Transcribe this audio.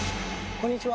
こんにちは。